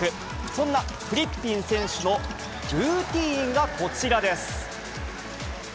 そんなフリッピン選手のルーティンがこちらです。